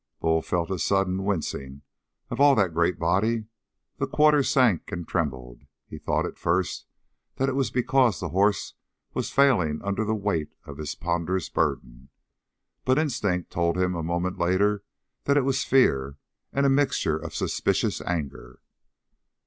Bull felt a sudden wincing of all that great body; the quarters sank and trembled. He thought at first that it was because the horse was failing under the weight of this ponderous burden; but instinct told him a moment later that it was fear, and a mixture of suspicious anger.